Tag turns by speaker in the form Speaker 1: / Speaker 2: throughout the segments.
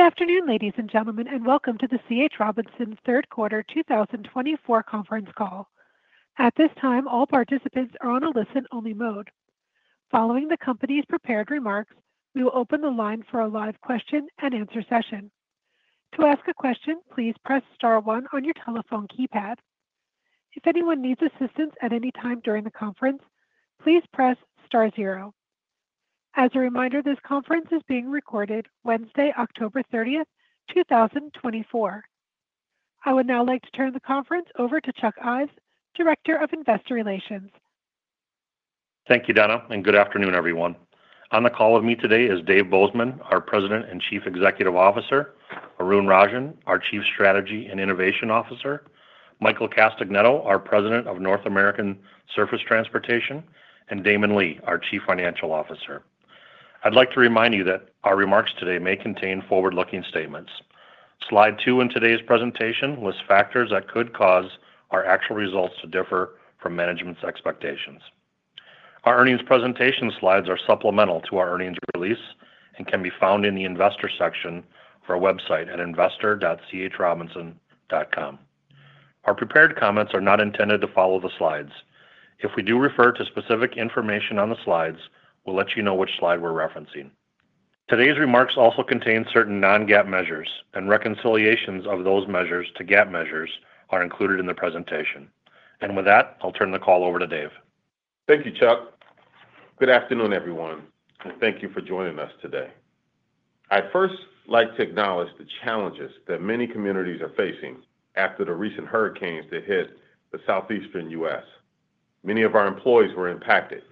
Speaker 1: Good afternoon, ladies and gentlemen, and welcome to the C.H. Robinson's Third Quarter 2024 conference call. At this time, all participants are on a listen-only mode. Following the company's prepared remarks, we will open the line for a live question-and-answer session. To ask a question, please press star one on your telephone keypad. If anyone needs assistance at any time during the conference, please press star zero. As a reminder, this conference is being recorded Wednesday, October 30th, 2024. I would now like to turn the conference over to Chuck Ives, Director of Investor Relations.
Speaker 2: Thank you, Donna, and good afternoon, everyone. On the call with me today is Dave Bozeman, our President and Chief Executive Officer, Arun Rajan, our Chief Strategy and Innovation Officer, Michael Castagneto, our President of North American Surface Transportation, and Damon Lee, our Chief Financial Officer. I'd like to remind you that our remarks today may contain forward-looking statements. Slide 2 in today's presentation lists factors that could cause our actual results to differ from management's expectations. Our earnings presentation slides are supplemental to our earnings release and can be found in the Investor section of our website at investor.chrobinson.com. Our prepared comments are not intended to follow the slides. If we do refer to specific information on the slides, we'll let you know which slide we're referencing. Today's remarks also contain certain non-GAAP measures, and reconciliations of those measures to GAAP measures are included in the presentation. With that, I'll turn the call over to Dave.
Speaker 3: Thank you, Chuck. Good afternoon, everyone, and thank you for joining us today. I'd first like to acknowledge the challenges that many communities are facing after the recent hurricanes that hit the Southeastern U.S. Many of our employees were impacted,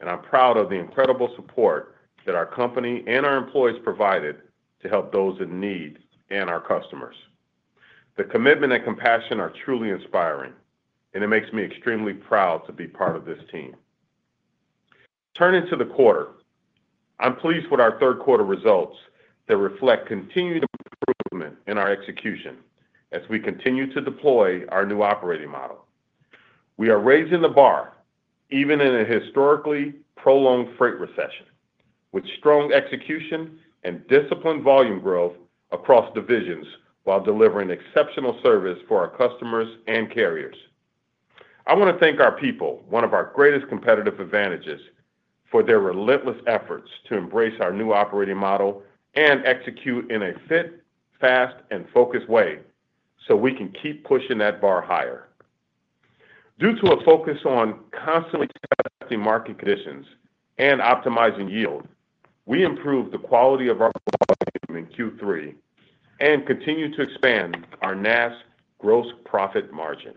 Speaker 3: and I'm proud of the incredible support that our company and our employees provided to help those in need and our customers. The commitment and compassion are truly inspiring, and it makes me extremely proud to be part of this team. Turning to the quarter, I'm pleased with our third quarter results that reflect continued improvement in our execution as we continue to deploy our new operating model. We are raising the bar even in a historically prolonged freight recession, with strong execution and disciplined volume growth across divisions while delivering exceptional service for our customers and carriers. I want to thank our people, one of our greatest competitive advantages, for their relentless efforts to embrace our new operating model and execute in a Fit, Fast, and Focused way so we can keep pushing that bar higher. Due to a focus on constantly adjusting market conditions and optimizing yield, we improved the quality of our market in Q3 and continue to expand our NAST gross profit margin.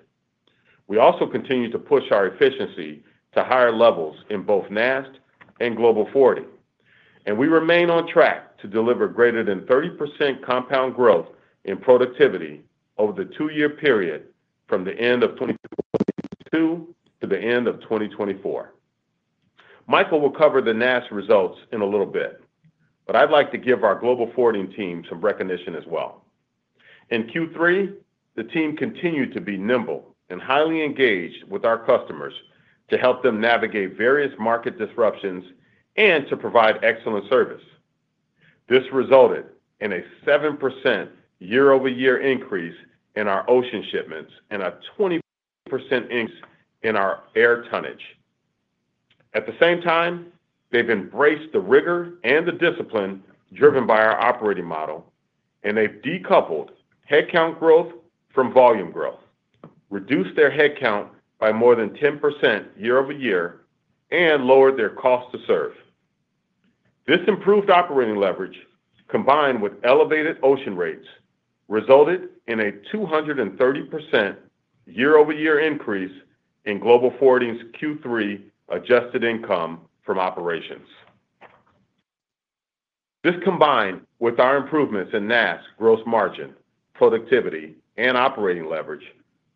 Speaker 3: We also continue to push our efficiency to higher levels in both NAST and Global Forwarding, and we remain on track to deliver greater than 30% compound growth in productivity over the two-year period from the end of 2022 to the end of 2024. Michael will cover the NAST results in a little bit, but I'd like to give our Global Forwarding team some recognition as well. In Q3, the team continued to be nimble and highly engaged with our customers to help them navigate various market disruptions and to provide excellent service. This resulted in a 7% year-over-year increase in our ocean shipments and a 20% increase in our air tonnage. At the same time, they've embraced the rigor and the discipline driven by our operating model, and they've decoupled headcount growth from volume growth, reduced their headcount by more than 10% year-over-year, and lowered their cost to serve. This improved operating leverage, combined with elevated ocean rates, resulted in a 230% year-over-year increase in Global Forwarding's Q3 adjusted income from operations. This combined with our improvements in NAST gross margin, productivity, and operating leverage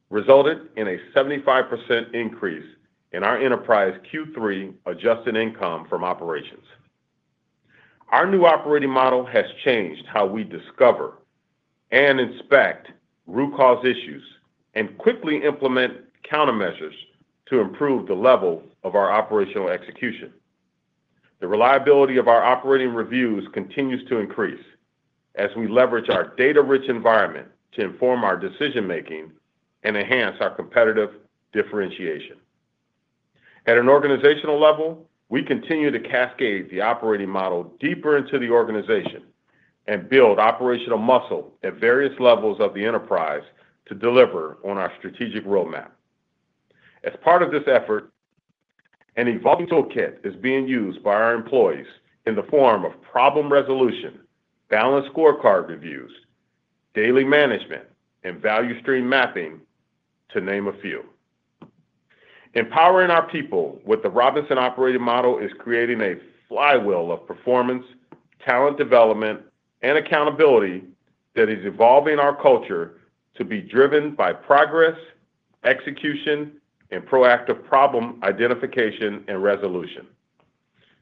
Speaker 3: resulted in a 75% increase in our enterprise Q3 adjusted income from operations. Our new operating model has changed how we discover and inspect root cause issues and quickly implement countermeasures to improve the level of our operational execution. The reliability of our operating reviews continues to increase as we leverage our data-rich environment to inform our decision-making and enhance our competitive differentiation. At an organizational level, we continue to cascade the operating model deeper into the organization and build operational muscle at various levels of the enterprise to deliver on our strategic roadmap. As part of this effort, an evolving toolkit is being used by our employees in the form of problem resolution, Balanced Scorecard reviews, daily management, and Value Stream Mapping, to name a few. Empowering our people with the Robinson Operating Model is creating a flywheel of performance, talent development, and accountability that is evolving our culture to be driven by progress, execution, and proactive problem identification and resolution.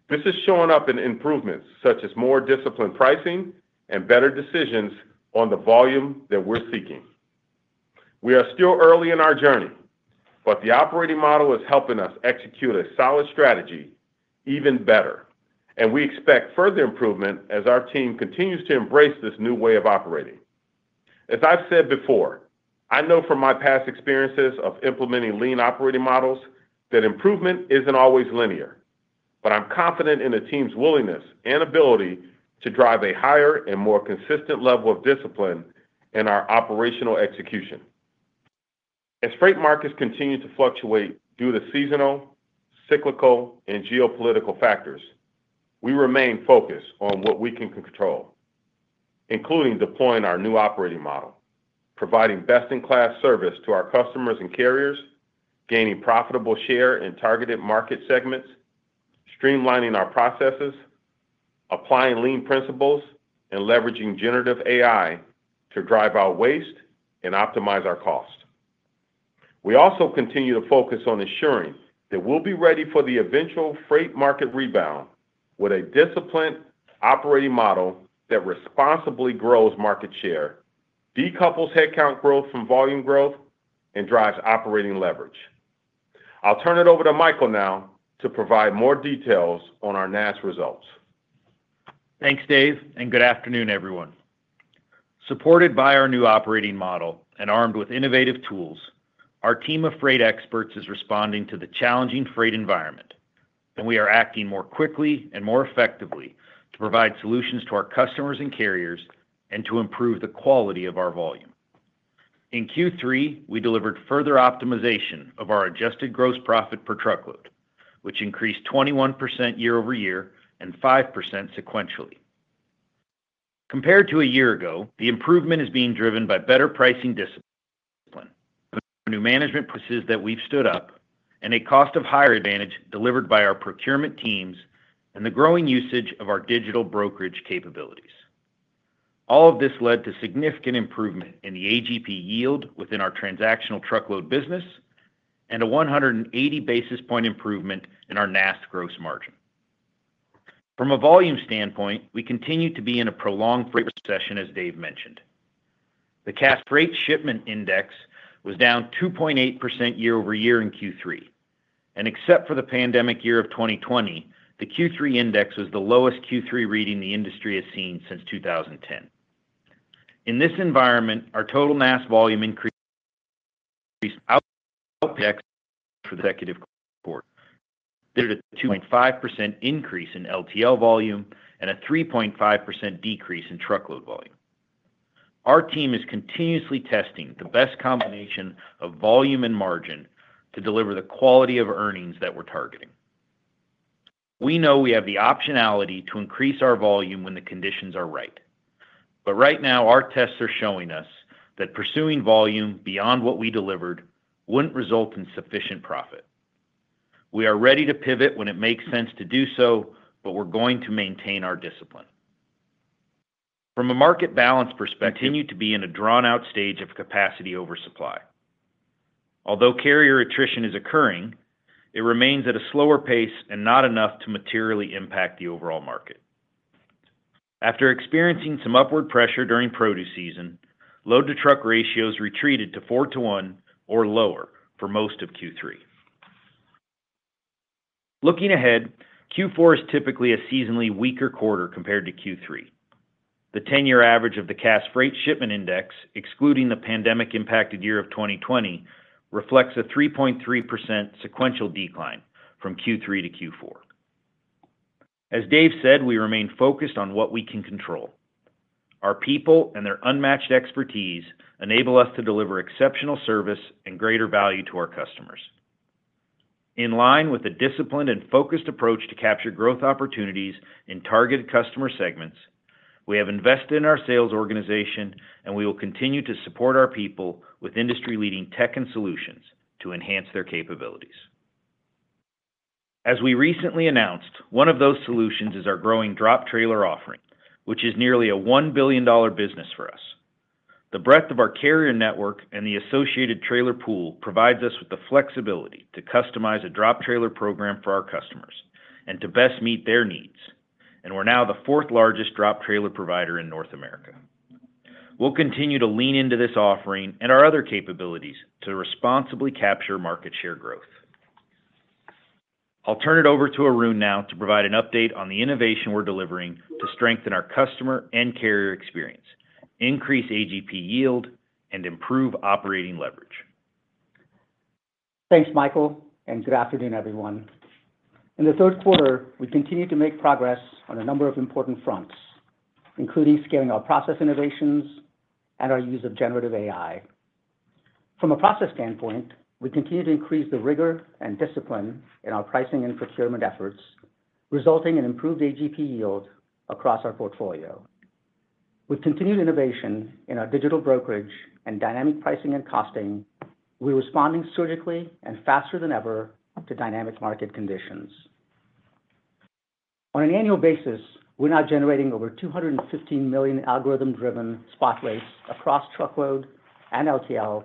Speaker 3: This is showing up in improvements such as more disciplined pricing and better decisions on the volume that we're seeking. We are still early in our journey, but the operating model is helping us execute a solid strategy even better, and we expect further improvement as our team continues to embrace this new way of operating. As I've said before, I know from my past experiences of implementing lean operating models that improvement isn't always linear, but I'm confident in the team's willingness and ability to drive a higher and more consistent level of discipline in our operational execution. As freight markets continue to fluctuate due to seasonal, cyclical, and geopolitical factors, we remain focused on what we can control, including deploying our new operating model, providing best-in-class service to our customers and carriers, gaining profitable share in targeted market segments, streamlining our processes, applying lean principles, and leveraging generative AI to drive out waste and optimize our costs. We also continue to focus on ensuring that we'll be ready for the eventual freight market rebound with a disciplined operating model that responsibly grows market share, decouples headcount growth from volume growth, and drives operating leverage. I'll turn it over to Michael now to provide more details on our NAST results.
Speaker 4: Thanks, Dave, and good afternoon, everyone. Supported by our new operating model and armed with innovative tools, our team of freight experts is responding to the challenging freight environment, and we are acting more quickly and more effectively to provide solutions to our customers and carriers and to improve the quality of our volume. In Q3, we delivered further optimization of our adjusted gross profit per truckload, which increased 21% year-over-year and 5% sequentially. Compared to a year ago, the improvement is being driven by better pricing discipline, new management practices that we've stood up, and a cost-of-hire advantage delivered by our procurement teams and the growing usage of our digital brokerage capabilities. All of this led to significant improvement in the AGP yield within our transactional truckload business and a 180 basis points improvement in our NAST gross margin. From a volume standpoint, we continue to be in a prolonged freight recession, as Dave mentioned. The Cass Freight Shipment Index was down 2.8% year-over-year in Q3, and except for the pandemic year of 2020, the Q3 index was the lowest Q3 reading the industry has seen since 2010. In this environment, our total NAST volume increased for the sequential quarter, a 2.5% increase in LTL volume and a 3.5% decrease in truckload volume. Our team is continuously testing the best combination of volume and margin to deliver the quality of earnings that we're targeting. We know we have the optionality to increase our volume when the conditions are right, but right now, our tests are showing us that pursuing volume beyond what we delivered wouldn't result in sufficient profit. We are ready to pivot when it makes sense to do so, but we're going to maintain our discipline. From a market balance perspective, we continue to be in a drawn-out stage of capacity oversupply. Although carrier attrition is occurring, it remains at a slower pace and not enough to materially impact the overall market. After experiencing some upward pressure during produce season, load-to-truck ratios retreated to four to one or lower for most of Q3. Looking ahead, Q4 is typically a seasonally weaker quarter compared to Q3. The 10-year average of the Cass Freight Shipment Index, excluding the pandemic-impacted year of 2020, reflects a 3.3% sequential decline from Q3 to Q4. As Dave said, we remain focused on what we can control. Our people and their unmatched expertise enable us to deliver exceptional service and greater value to our customers. In line with a disciplined and focused approach to capture growth opportunities in targeted customer segments, we have invested in our sales organization, and we will continue to support our people with industry-leading tech and solutions to enhance their capabilities. As we recently announced, one of those solutions is our growing drop trailer offering, which is nearly a $1 billion business for us. The breadth of our carrier network and the associated trailer pool provides us with the flexibility to customize a drop trailer program for our customers and to best meet their needs, and we're now the fourth-largest drop trailer provider in North America. We'll continue to lean into this offering and our other capabilities to responsibly capture market share growth. I'll turn it over to Arun now to provide an update on the innovation we're delivering to strengthen our customer and carrier experience, increase AGP yield, and improve operating leverage.
Speaker 5: Thanks, Michael, and good afternoon, everyone. In the third quarter, we continue to make progress on a number of important fronts, including scaling our process innovations and our use of generative AI. From a process standpoint, we continue to increase the rigor and discipline in our pricing and procurement efforts, resulting in improved AGP yield across our portfolio. With continued innovation in our digital brokerage and dynamic pricing and costing, we're responding surgically and faster than ever to dynamic market conditions. On an annual basis, we're now generating over 215 million algorithm-driven spot rates across truckload and LTL,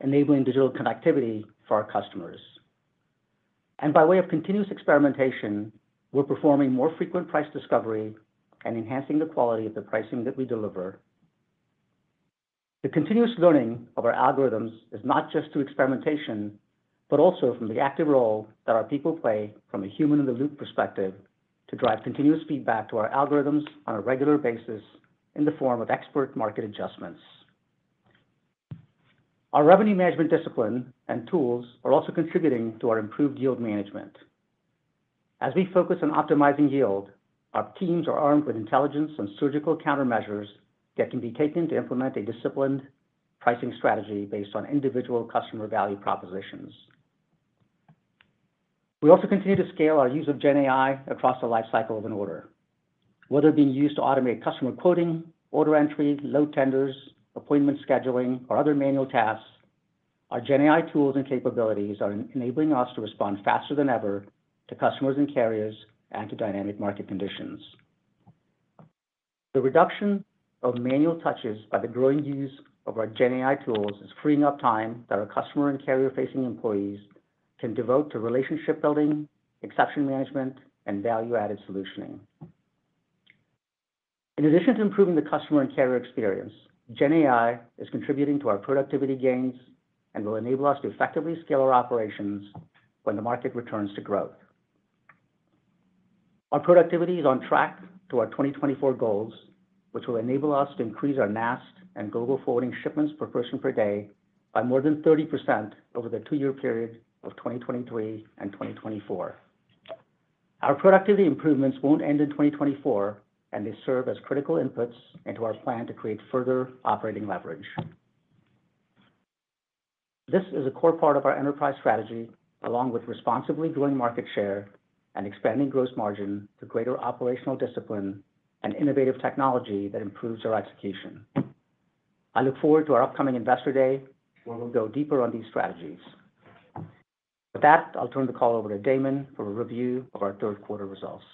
Speaker 5: enabling digital connectivity for our customers. And by way of continuous experimentation, we're performing more frequent price discovery and enhancing the quality of the pricing that we deliver. The continuous learning of our algorithms is not just through experimentation, but also from the active role that our people play from a human-in-the-loop perspective to drive continuous feedback to our algorithms on a regular basis in the form of expert market adjustments. Our revenue management discipline and tools are also contributing to our improved yield management. As we focus on optimizing yield, our teams are armed with intelligence and surgical countermeasures that can be taken to implement a disciplined pricing strategy based on individual customer value propositions. We also continue to scale our use of GenAI across the lifecycle of an order. Whether being used to automate customer quoting, order entry, load tenders, appointment scheduling, or other manual tasks, our GenAI tools and capabilities are enabling us to respond faster than ever to customers and carriers and to dynamic market conditions. The reduction of manual touches by the growing use of our GenAI tools is freeing up time that our customer and carrier-facing employees can devote to relationship building, exception management, and value-added solutioning. In addition to improving the customer and carrier experience, GenAI is contributing to our productivity gains and will enable us to effectively scale our operations when the market returns to growth. Our productivity is on track to our 2024 goals, which will enable us to increase our NAST and Global Forwarding shipments per person per day by more than 30% over the two-year period of 2023 and 2024. Our productivity improvements won't end in 2024, and they serve as critical inputs into our plan to create further operating leverage. This is a core part of our enterprise strategy, along with responsibly growing market share and expanding gross margin to greater operational discipline and innovative technology that improves our execution. I look forward to our upcoming Investor Day, where we'll go deeper on these strategies. With that, I'll turn the call over to Damon for a review of our third quarter results.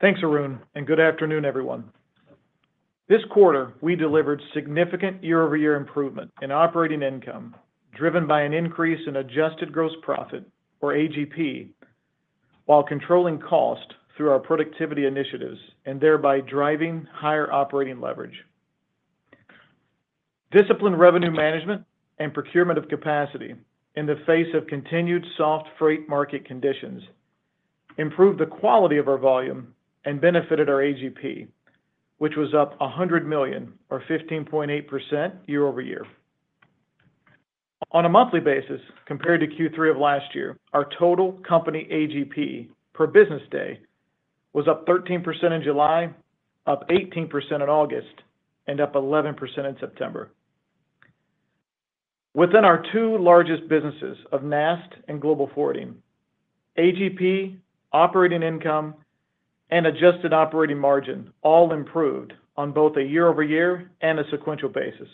Speaker 6: Thanks, Arun, and good afternoon, everyone. This quarter, we delivered significant year-over-year improvement in operating income driven by an increase in adjusted gross profit, or AGP, while controlling cost through our productivity initiatives and thereby driving higher operating leverage. Disciplined revenue management and procurement of capacity in the face of continued soft freight market conditions improved the quality of our volume and benefited our AGP, which was up $100 million, or 15.8% year-over-year. On a monthly basis, compared to Q3 of last year, our total company AGP per business day was up 13% in July, up 18% in August, and up 11% in September. Within our two largest businesses of NAST and Global Forwarding, AGP, operating income, and adjusted operating margin all improved on both a year-over-year and a sequential basis.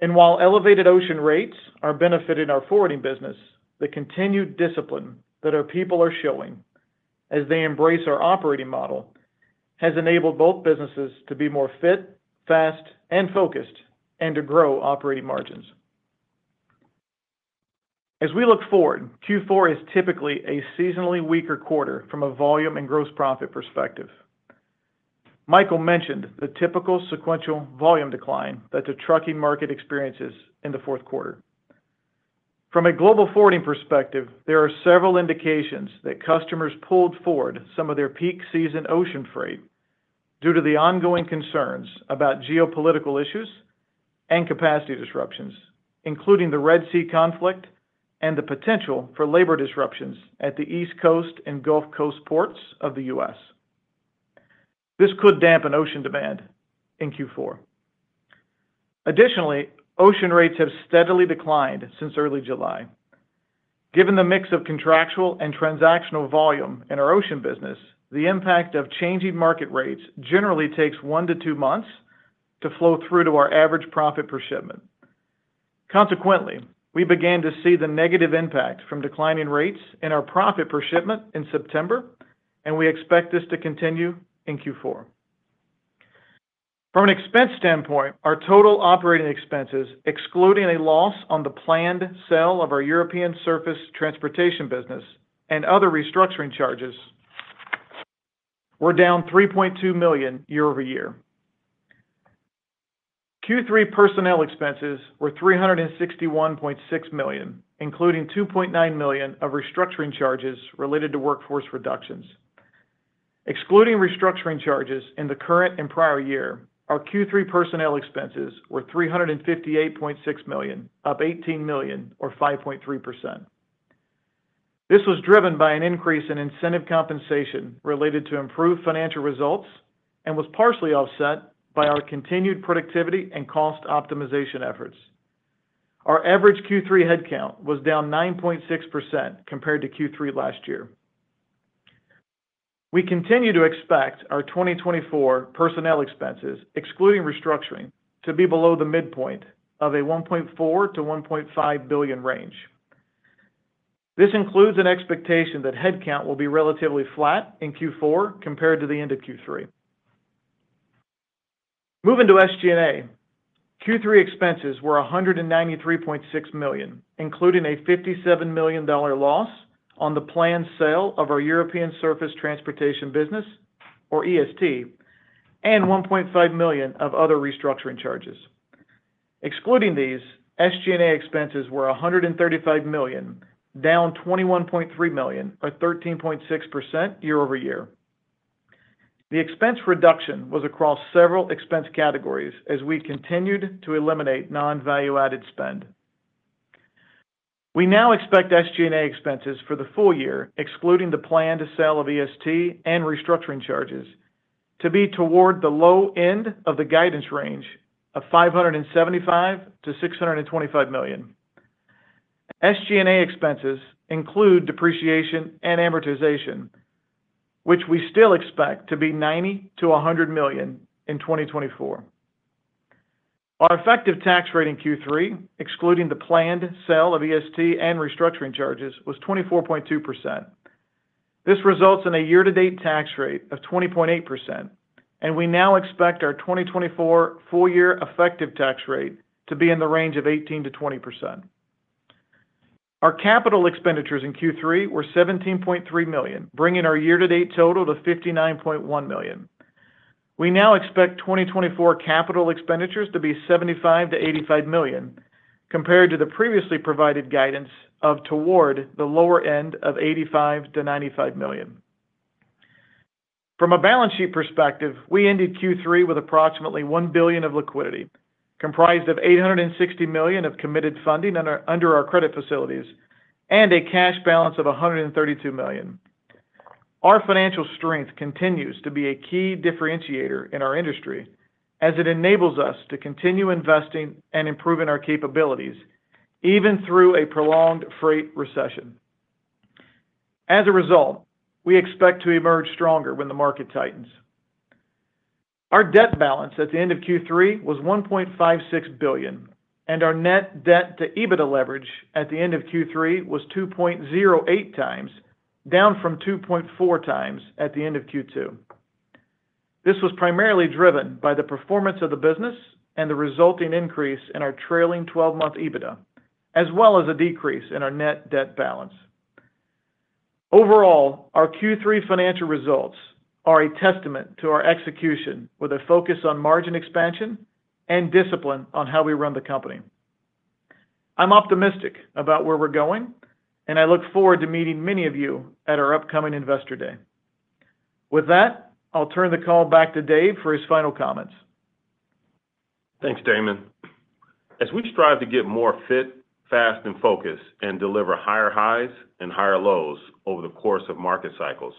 Speaker 6: And while elevated ocean rates are benefiting our forwarding business, the continued discipline that our people are showing as they embrace our operating model has enabled both businesses to be more Fit, Fast, and Focused, and to grow operating margins. As we look forward, Q4 is typically a seasonally weaker quarter from a volume and gross profit perspective. Michael mentioned the typical sequential volume decline that the trucking market experiences in the fourth quarter. From a Global Forwarding perspective, there are several indications that customers pulled forward some of their peak season ocean freight due to the ongoing concerns about geopolitical issues and capacity disruptions, including the Red Sea conflict and the potential for labor disruptions at the East Coast and Gulf Coast ports of the U.S. This could dampen ocean demand in Q4. Additionally, ocean rates have steadily declined since early July. Given the mix of contractual and transactional volume in our ocean business, the impact of changing market rates generally takes one to two months to flow through to our average profit per shipment. Consequently, we began to see the negative impact from declining rates in our profit per shipment in September, and we expect this to continue in Q4. From an expense standpoint, our total operating expenses, excluding a loss on the planned sale of our European Surface Transportation business and other restructuring charges, were down $3.2 million year-over-year. Q3 personnel expenses were $361.6 million, including $2.9 million of restructuring charges related to workforce reductions. Excluding restructuring charges in the current and prior year, our Q3 personnel expenses were $358.6 million, up $18 million, or 5.3%. This was driven by an increase in incentive compensation related to improved financial results and was partially offset by our continued productivity and cost optimization efforts. Our average Q3 headcount was down 9.6% compared to Q3 last year. We continue to expect our 2024 personnel expenses, excluding restructuring, to be below the midpoint of a $1.4-$1.5 billion range. This includes an expectation that headcount will be relatively flat in Q4 compared to the end of Q3. Moving to SG&A, Q3 expenses were $193.6 million, including a $57 million loss on the planned sale of our European Surface Transportation business, or EST, and $1.5 million of other restructuring charges. Excluding these, SG&A expenses were $135 million, down $21.3 million, or 13.6% year-over-year. The expense reduction was across several expense categories as we continued to eliminate non-value-added spend. We now expect SG&A expenses for the full year, excluding the planned sale of EST and restructuring charges, to be toward the low end of the guidance range of $575 million-$625 million. SG&A expenses include depreciation and amortization, which we still expect to be $90 million-$100 million in 2024. Our effective tax rate in Q3, excluding the planned sale of EST and restructuring charges, was 24.2%. This results in a year-to-date tax rate of 20.8%, and we now expect our 2024 full-year effective tax rate to be in the range of 18%-20%. Our capital expenditures in Q3 were $17.3 million, bringing our year-to-date total to $59.1 million. We now expect 2024 capital expenditures to be $75 million-$85 million compared to the previously provided guidance of toward the lower end of $85 million-$95 million. From a balance sheet perspective, we ended Q3 with approximately $1 billion of liquidity, comprised of $860 million of committed funding under our credit facilities and a cash balance of $132 million. Our financial strength continues to be a key differentiator in our industry as it enables us to continue investing and improving our capabilities even through a prolonged freight recession. As a result, we expect to emerge stronger when the market tightens. Our debt balance at the end of Q3 was $1.56 billion, and our net debt to EBITDA leverage at the end of Q3 was 2.08 times, down from 2.4 times at the end of Q2. This was primarily driven by the performance of the business and the resulting increase in our trailing 12-month EBITDA, as well as a decrease in our net debt balance. Overall, our Q3 financial results are a testament to our execution with a focus on margin expansion and discipline on how we run the company. I'm optimistic about where we're going, and I look forward to meeting many of you at our upcoming Investor Day. With that, I'll turn the call back to Dave for his final comments.
Speaker 3: Thanks, Damon. As we strive to get more Fit, Fast, and Focused and deliver higher highs and higher lows over the course of market cycles,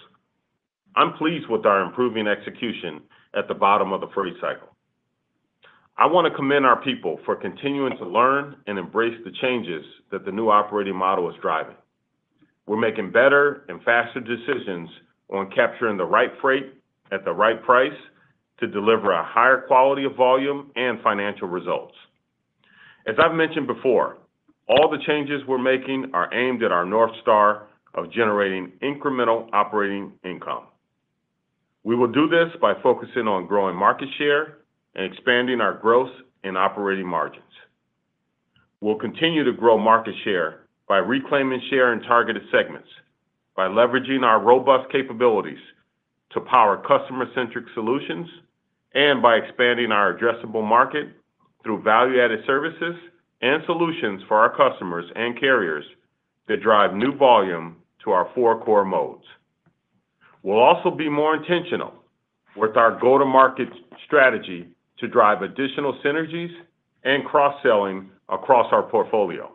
Speaker 3: I'm pleased with our improving execution at the bottom of the freight cycle. I want to commend our people for continuing to learn and embrace the changes that the new operating model is driving. We're making better and faster decisions on capturing the right freight at the right price to deliver a higher quality of volume and financial results. As I've mentioned before, all the changes we're making are aimed at our North Star of generating incremental operating income. We will do this by focusing on growing market share and expanding our gross and operating margins. We'll continue to grow market share by reclaiming share in targeted segments, by leveraging our robust capabilities to power customer-centric solutions, and by expanding our addressable market through value-added services and solutions for our customers and carriers that drive new volume to our four core modes. We'll also be more intentional with our go-to-market strategy to drive additional synergies and cross-selling across our portfolio.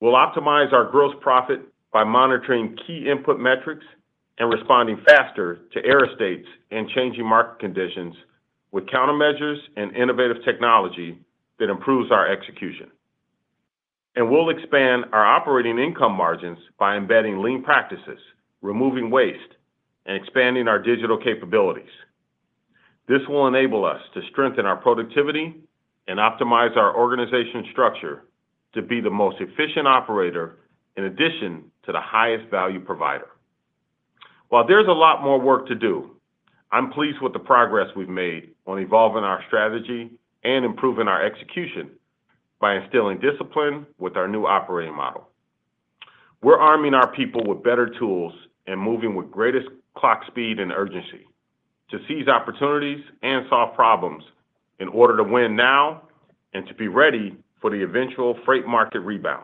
Speaker 3: We'll optimize our gross profit by monitoring key input metrics and responding faster to error states and changing market conditions with countermeasures and innovative technology that improves our execution. And we'll expand our operating income margins by embedding lean practices, removing waste, and expanding our digital capabilities. This will enable us to strengthen our productivity and optimize our organization structure to be the most efficient operator in addition to the highest value provider. While there's a lot more work to do, I'm pleased with the progress we've made on evolving our strategy and improving our execution by instilling discipline with our new operating model. We're arming our people with better tools and moving with greatest clock speed and urgency to seize opportunities and solve problems in order to win now and to be ready for the eventual freight market rebound.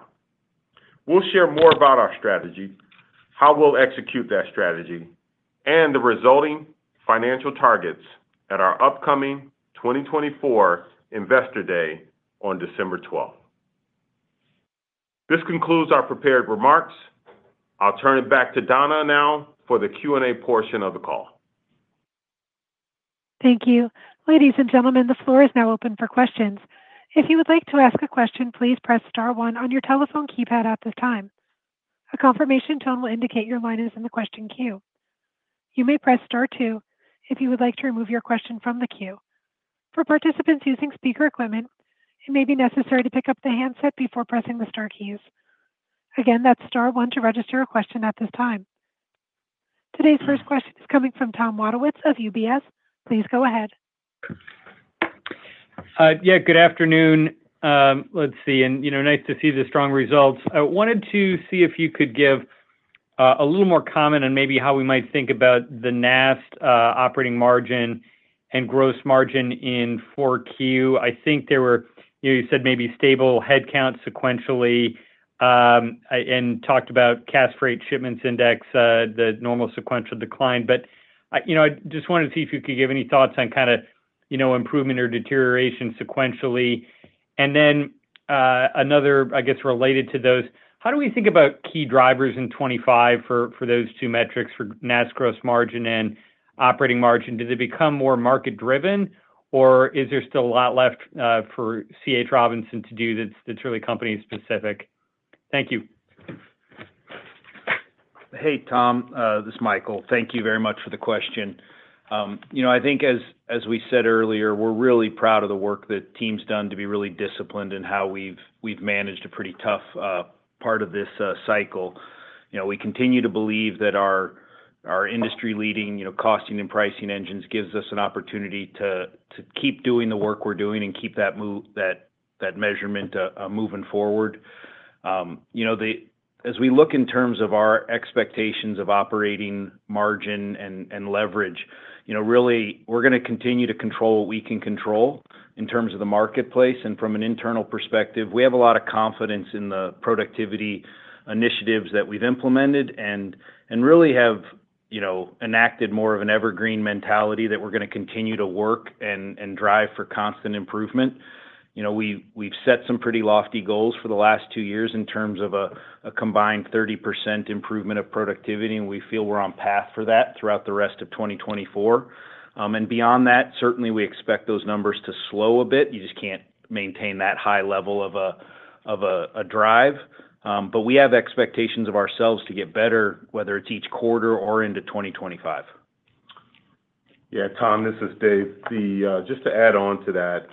Speaker 3: We'll share more about our strategy, how we'll execute that strategy, and the resulting financial targets at our upcoming 2024 Investor Day on December 12th. This concludes our prepared remarks. I'll turn it back to Donna now for the Q&A portion of the call.
Speaker 1: Thank you. Ladies and gentlemen, the floor is now open for questions. If you would like to ask a question, please press star one on your telephone keypad at this time. A confirmation tone will indicate your line is in the question queue. You may press star two if you would like to remove your question from the queue. For participants using speaker equipment, it may be necessary to pick up the handset before pressing the star keys. Again, that's star one to register a question at this time. Today's first question is coming from Tom Wadowitz of UBS. Please go ahead.
Speaker 7: Yeah, good afternoon. Let's see. And nice to see the strong results. I wanted to see if you could give a little more comment on maybe how we might think about the NAST operating margin and gross margin in Q4. I think there were, you said maybe stable headcount sequentially and talked about Cass Freight shipments index, the normal sequential decline. But I just wanted to see if you could give any thoughts on kind of improvement or deterioration sequentially. And then another, I guess, related to those, how do we think about key drivers in 2025 for those two metrics for NAST gross margin and operating margin? Did it become more market-driven, or is there still a lot left for C.H. Robinson to do that's really company-specific? Thank you.
Speaker 4: Hey, Tom, this is Michael. Thank you very much for the question. I think, as we said earlier, we're really proud of the work that team's done to be really disciplined in how we've managed a pretty tough part of this cycle. We continue to believe that our industry-leading costing and pricing engines gives us an opportunity to keep doing the work we're doing and keep that measurement moving forward. As we look in terms of our expectations of operating margin and leverage, really, we're going to continue to control what we can control in terms of the marketplace. And from an internal perspective, we have a lot of confidence in the productivity initiatives that we've implemented and really have enacted more of an evergreen mentality that we're going to continue to work and drive for constant improvement. We've set some pretty lofty goals for the last two years in terms of a combined 30% improvement of productivity, and we feel we're on track for that throughout the rest of 2024 and beyond that. Certainly, we expect those numbers to slow a bit. You just can't maintain that high level of a drive, but we have expectations of ourselves to get better, whether it's each quarter or into 2025.
Speaker 3: Yeah, Tom, this is Dave. Just to add on to that,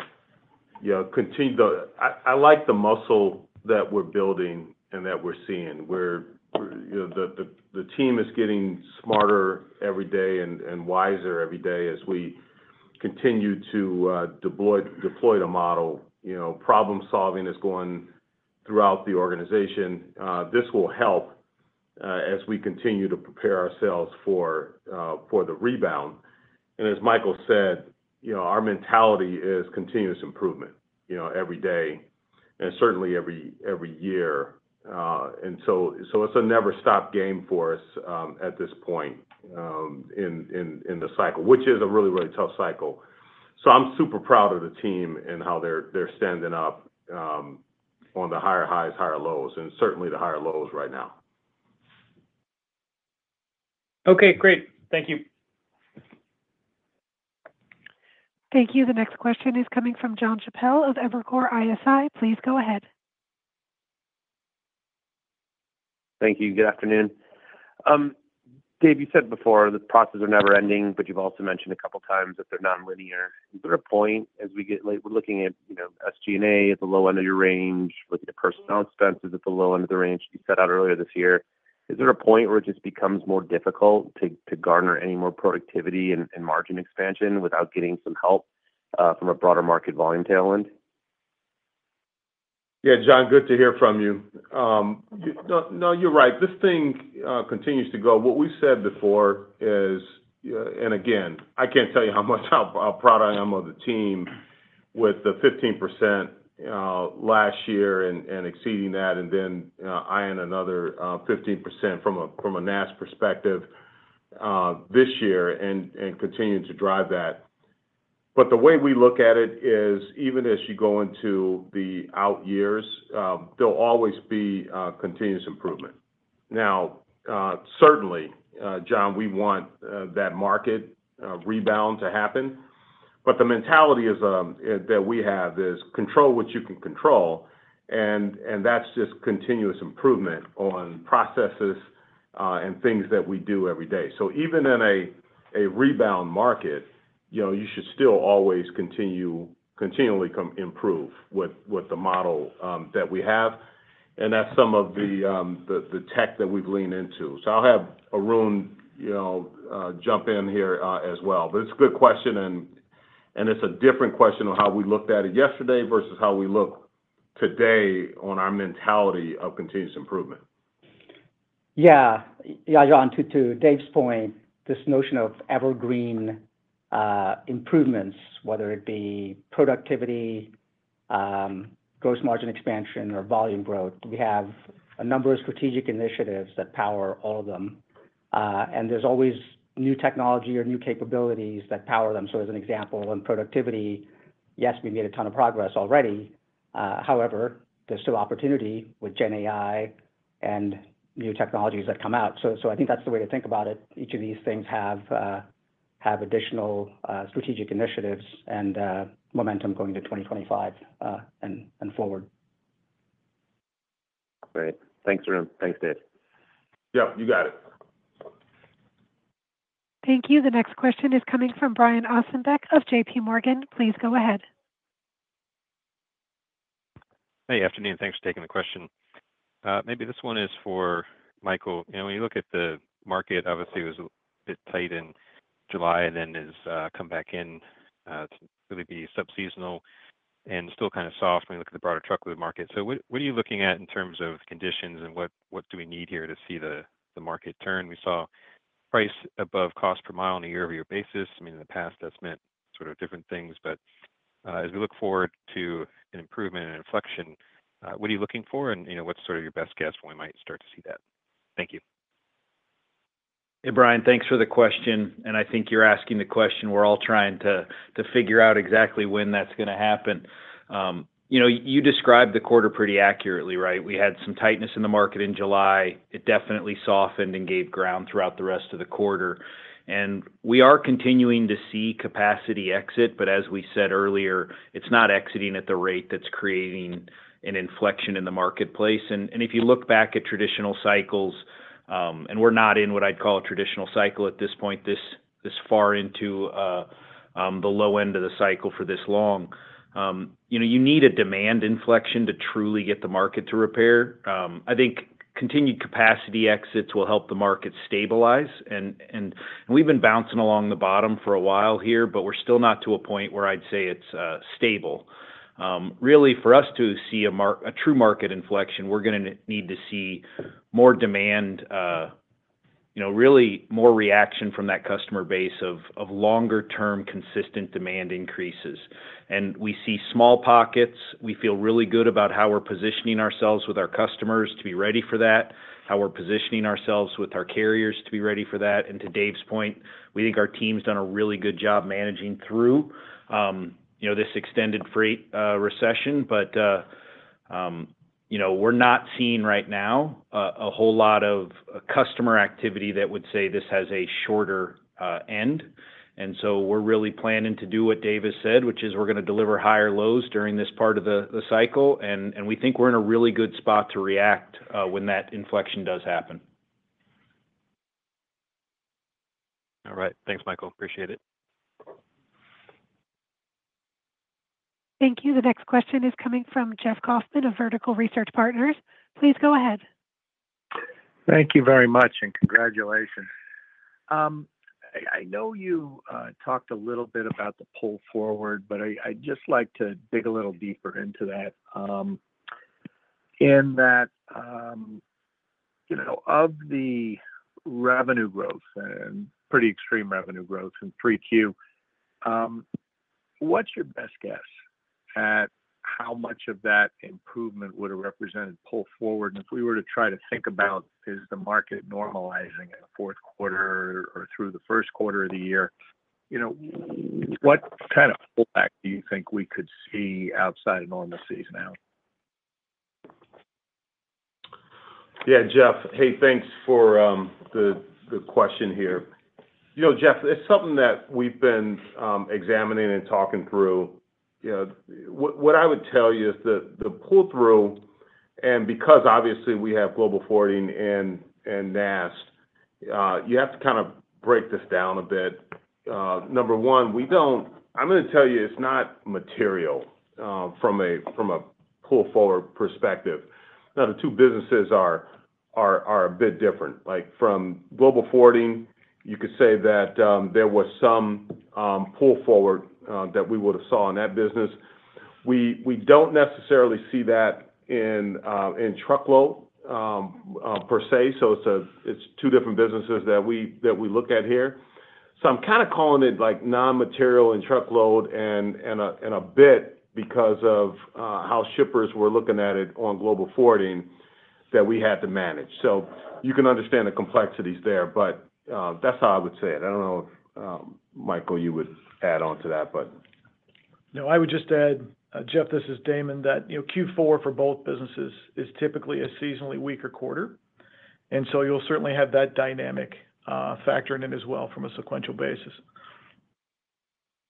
Speaker 3: I like the muscle that we're building and that we're seeing. The team is getting smarter every day and wiser every day as we continue to deploy the model. Problem-solving is going throughout the organization. This will help as we continue to prepare ourselves for the rebound, and as Michael said, our mentality is continuous improvement every day and certainly every year. And so it's a never-stop game for us at this point in the cycle, which is a really, really tough cycle. So I'm super proud of the team and how they're standing up on the higher highs, higher lows, and certainly the higher lows right now.
Speaker 7: Okay, great. Thank you.
Speaker 1: Thank you. The next question is coming from John Chappell of Evercore ISI. Please go ahead.
Speaker 8: Thank you. Good afternoon. Dave, you said before the processes are never-ending, but you've also mentioned a couple of times that they're non-linear. Is there a point as we get later? We're looking at SG&A at the low end of your range. We're looking at personnel expenses at the low end of the range you set out earlier this year. Is there a point where it just becomes more difficult to garner any more productivity and margin expansion without getting some help from a broader market volume tailwind?
Speaker 3: Yeah, John, good to hear from you. No, you're right. This thing continues to go. What we've said before is, and again, I can't tell you how proud I am of the team with the 15% last year and exceeding that, and then adding another 15% from a NAST perspective this year and continuing to drive that. But the way we look at it is, even as you go into the out years, there'll always be continuous improvement. Now, certainly, John, we want that market rebound to happen. But the mentality that we have is control what you can control, and that's just continuous improvement on processes and things that we do every day. So even in a rebound market, you should still always continually improve with the model that we have. And that's some of the tech that we've leaned into. So I'll have Arun jump in here as well. But it's a good question, and it's a different question of how we looked at it yesterday versus how we look today on our mentality of continuous improvement.
Speaker 5: Yeah. Yeah, John, to Dave's point, this notion of evergreen improvements, whether it be productivity, gross margin expansion, or volume growth, we have a number of strategic initiatives that power all of them. And there's always new technology or new capabilities that power them. So as an example, in productivity, yes, we made a ton of progress already. However, there's still opportunity with GenAI and new technologies that come out. So I think that's the way to think about it. Each of these things have additional strategic initiatives and momentum going to 2025 and forward.
Speaker 8: Great. Thanks, Arun. Thanks, Dave.
Speaker 3: Yeah, you got it.
Speaker 1: Thank you. The next question is coming from Brian Ossenbeck of J.P. Morgan. Please go ahead.
Speaker 9: Good afternoon. Thanks for taking the question. Maybe this one is for Michael. When you look at the market, obviously, it was a bit tight in July, and then it's come back in. It's really been sub seasonal and still kind of soft when you look at the broader truckload market. So what are you looking at in terms of conditions, and what do we need here to see the market turn? We saw price above cost per mile on a year-over-year basis. I mean, in the past, that's meant sort of different things. But as we look forward to an improvement and inflection, what are you looking for, and what's sort of your best guess when we might start to see that? Thank you.
Speaker 4: Hey, Brian, thanks for the question. And I think you're asking the question. We're all trying to figure out exactly when that's going to happen. You described the quarter pretty accurately, right? We had some tightness in the market in July. It definitely softened and gave ground throughout the rest of the quarter. And we are continuing to see capacity exit, but as we said earlier, it's not exiting at the rate that's creating an inflection in the marketplace. And if you look back at traditional cycles, and we're not in what I'd call a traditional cycle at this point, this far into the low end of the cycle for this long, you need a demand inflection to truly get the market to repair. I think continued capacity exits will help the market stabilize. And we've been bouncing along the bottom for a while here, but we're still not to a point where I'd say it's stable. Really, for us to see a true market inflection, we're going to need to see more demand, really more reaction from that customer base of longer-term consistent demand increases. And we see small pockets. We feel really good about how we're positioning ourselves with our customers to be ready for that, how we're positioning ourselves with our carriers to be ready for that. And to Dave's point, we think our team's done a really good job managing through this extended freight recession. But we're not seeing right now a whole lot of customer activity that would say this has a shorter end. And so we're really planning to do what Dave has said, which is we're going to deliver higher lows during this part of the cycle. We think we're in a really good spot to react when that inflection does happen.
Speaker 9: All right. Thanks, Michael. Appreciate it.
Speaker 1: Thank you. The next question is coming from Jeff Kauffman of Vertical Research Partners. Please go ahead.
Speaker 10: Thank you very much, and congratulations. I know you talked a little bit about the pull forward, but I'd just like to dig a little deeper into that. In that, of the revenue growth and pretty extreme revenue growth in 3Q, what's your best guess at how much of that improvement would have represented pull forward? And if we were to try to think about, is the market normalizing in the fourth quarter or through the first quarter of the year, what kind of pullback do you think we could see outside of normalcy now?
Speaker 3: Yeah, Jeff, hey, thanks for the question here. Jeff, it's something that we've been examining and talking through. What I would tell you is that the pull through, and because obviously we have Global Forwarding and NAST, you have to kind of break this down a bit. Number one, I'm going to tell you it's not material from a pull forward perspective. Now, the two businesses are a bit different. From Global Forwarding, you could say that there was some pull forward that we would have saw in that business. We don't necessarily see that in truckload per se. So it's two different businesses that we look at here. So I'm kind of calling it non-material in truckload and a bit because of how shippers were looking at it on Global Forwarding that we had to manage. So you can understand the complexities there, but that's how I would say it. I don't know if Michael, you would add on to that, but.
Speaker 6: No, I would just add, Jeff, this is Damon, that Q4 for both businesses is typically a seasonally weaker quarter, and so you'll certainly have that dynamic factoring in as well from a sequential basis.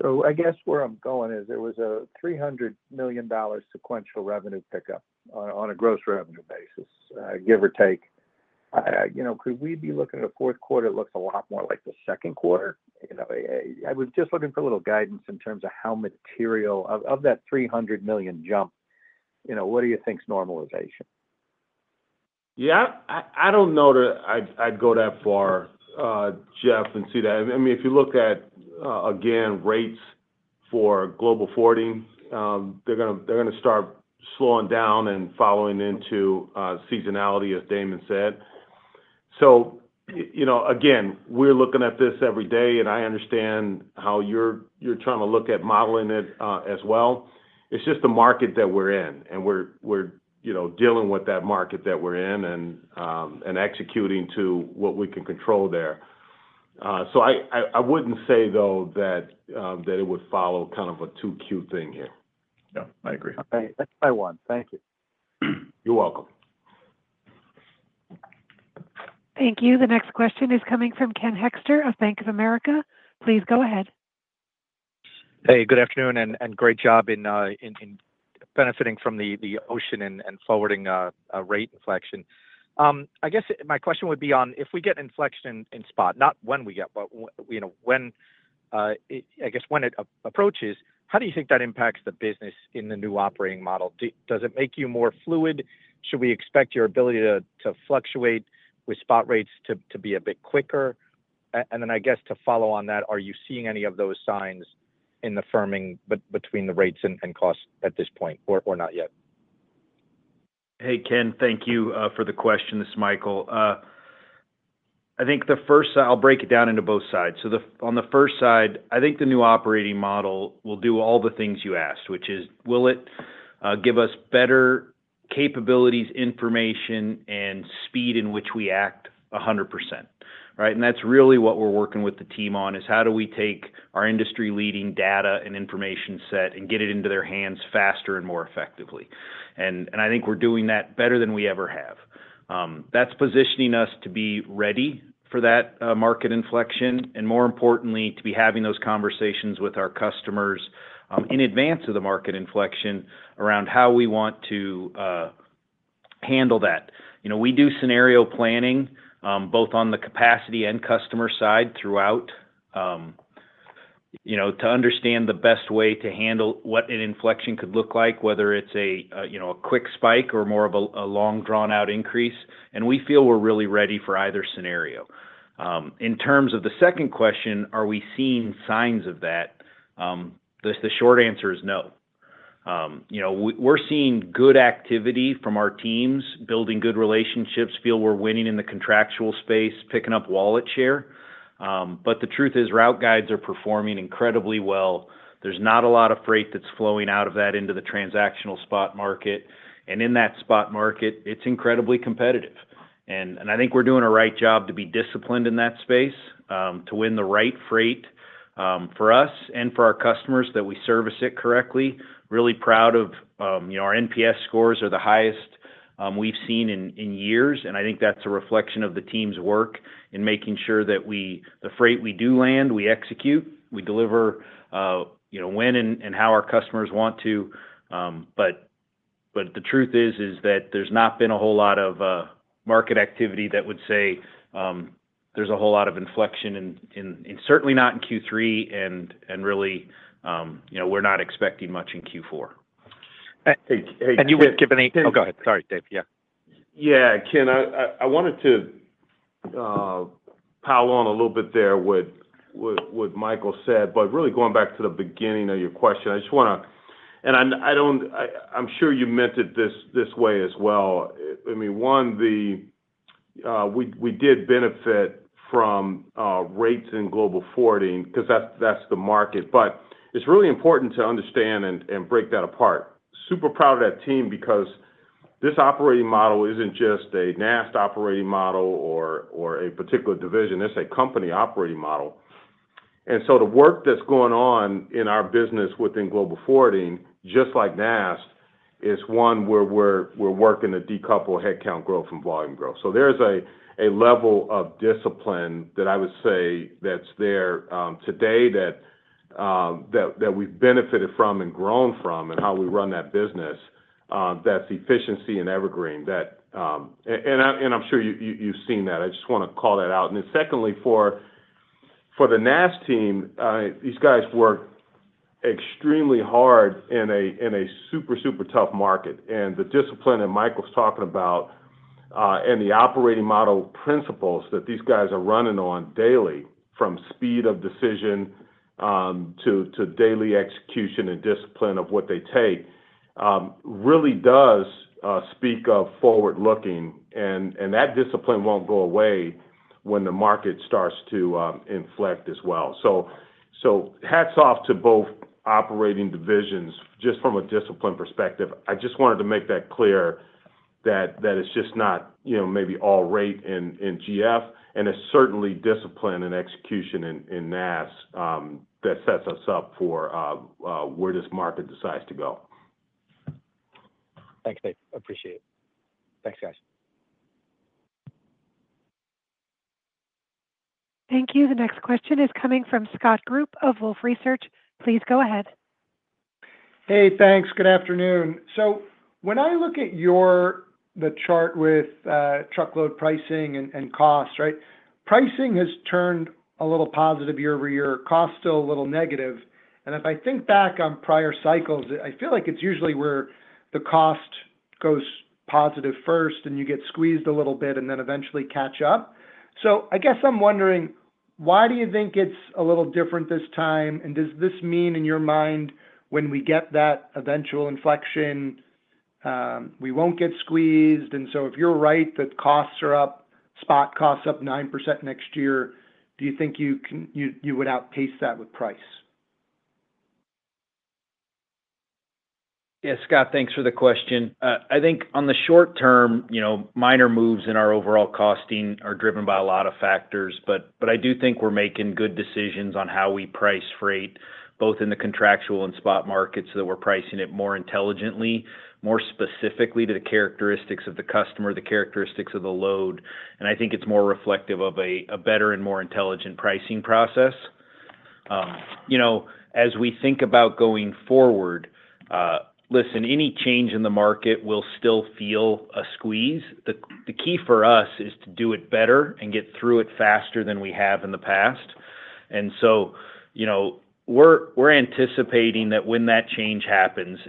Speaker 10: So I guess where I'm going is there was a $300 million sequential revenue pickup on a gross revenue basis, give or take. Could we be looking at a fourth quarter that looks a lot more like the second quarter? I was just looking for a little guidance in terms of how material of that $300 million jump, what do you think's normalization?
Speaker 3: Yeah, I don't know that I'd go that far, Jeff, and see that. I mean, if you look at, again, rates for Global Forwarding, they're going to start slowing down and following into seasonality, as Damon said. So again, we're looking at this every day, and I understand how you're trying to look at modeling it as well. It's just the market that we're in, and we're dealing with that market that we're in and executing to what we can control there. So I wouldn't say, though, that it would follow kind of a 2Q thing here. Yeah, I agree.
Speaker 10: Okay. That's my one. Thank you.
Speaker 3: You're welcome.
Speaker 1: Thank you. The next question is coming from Ken Hoexter of Bank of America. Please go ahead.
Speaker 11: Hey, good afternoon, and great job in benefiting from the ocean and forwarding rate inflection. I guess my question would be on if we get inflection in spot, not when we get, but I guess when it approaches, how do you think that impacts the business in the new operating model? Does it make you more fluid? Should we expect your ability to fluctuate with spot rates to be a bit quicker? And then I guess to follow on that, are you seeing any of those signs in the firming between the rates and costs at this point or not yet?
Speaker 4: Hey, Ken, thank you for the question. This is Michael. I think the first, I'll break it down into both sides. So on the first side, I think the new operating model will do all the things you asked, which is, will it give us better capabilities, information, and speed in which we act 100%? Right? And that's really what we're working with the team on, is how do we take our industry-leading data and information set and get it into their hands faster and more effectively? And I think we're doing that better than we ever have. That's positioning us to be ready for that market inflection, and more importantly, to be having those conversations with our customers in advance of the market inflection around how we want to handle that. We do scenario planning both on the capacity and customer side throughout to understand the best way to handle what an inflection could look like, whether it's a quick spike or more of a long drawn-out increase, and we feel we're really ready for either scenario. In terms of the second question, are we seeing signs of that? The short answer is no. We're seeing good activity from our teams, building good relationships, feel we're winning in the contractual space, picking up wallet share, but the truth is, route guides are performing incredibly well. There's not a lot of freight that's flowing out of that into the transactional spot market, and in that spot market, it's incredibly competitive, and I think we're doing the right job to be disciplined in that space, to win the right freight for us and for our customers, that we service it correctly. Really proud of our NPS scores are the highest we've seen in years. And I think that's a reflection of the team's work in making sure that the freight we do land, we execute, we deliver when and how our customers want to. But the truth is that there's not been a whole lot of market activity that would say there's a whole lot of inflection, and certainly not in Q3. And really, we're not expecting much in Q4.
Speaker 3: Hey, Jeff.
Speaker 4: And you would give any? Oh, go ahead. Sorry, Dave. Yeah.
Speaker 3: Yeah, Ken, I wanted to pile on a little bit there with what Michael said. But really, going back to the beginning of your question, I just want to, and I'm sure you meant it this way as well. I mean, one, we did benefit from rates in Global Forwarding because that's the market. But it's really important to understand and break that apart. Super proud of that team because this operating model isn't just a NAST operating model or a particular division. It's a company operating model. And so the work that's going on in our business within Global Forwarding, just like NAST, is one where we're working to decouple headcount growth from volume growth. So there's a level of discipline that I would say that's there today that we've benefited from and grown from in how we run that business. That's efficiency and evergreen. I'm sure you've seen that. I just want to call that out. Secondly, for the NAST team, these guys work extremely hard in a super, super tough market. The discipline that Michael's talking about and the operating model principles that these guys are running on daily, from speed of decision to daily execution and discipline of what they take, really does speak of forward-looking. That discipline won't go away when the market starts to inflect as well. Hats off to both operating divisions just from a discipline perspective. I just wanted to make that clear that it's just not maybe all rate and GF. It's certainly discipline and execution in NAST that sets us up for where this market decides to go.
Speaker 11: Thanks, Dave. Appreciate it. Thanks, guys.
Speaker 1: Thank you. The next question is coming from Scott Group of Wolfe Research. Please go ahead.
Speaker 12: Hey, thanks. Good afternoon. So when I look at the chart with truckload pricing and costs, right, pricing has turned a little positive year over year, costs still a little negative. And if I think back on prior cycles, I feel like it's usually where the cost goes positive first, and you get squeezed a little bit and then eventually catch up. So I guess I'm wondering, why do you think it's a little different this time? And does this mean in your mind, when we get that eventual inflection, we won't get squeezed? And so if you're right that costs are up, spot costs up 9% next year, do you think you would outpace that with price?
Speaker 4: Yes, Scott, thanks for the question. I think on the short term, minor moves in our overall costing are driven by a lot of factors. But I do think we're making good decisions on how we price freight, both in the contractual and spot markets, that we're pricing it more intelligently, more specifically to the characteristics of the customer, the characteristics of the load. And I think it's more reflective of a better and more intelligent pricing process. As we think about going forward, listen, any change in the market will still feel a squeeze. The key for us is to do it better and get through it faster than we have in the past. And so we're anticipating that when that change happens,